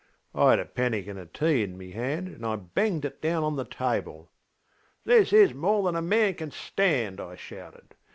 ŌĆÖ I had a pannikin of tea in my hand, and I banged it down on the table. ŌĆśThis is more than a man can stand! ŌĆÖ I shouted.